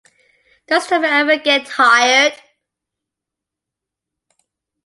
Doesn't Tom ever get tired?